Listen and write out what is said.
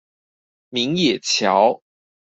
明野橋